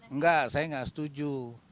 enggak saya gak setuju